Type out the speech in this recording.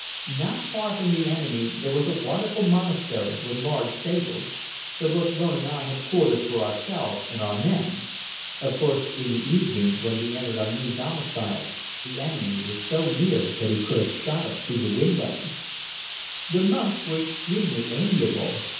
Not far from the enemy there was a wonderful monastery with large stables. So both Loen and I had quarters for ourselves and our men. Of course, in the evening, when we entered our new domicile, the enemy was so near that he could have shot us through the windows. The monks were extremely amiable.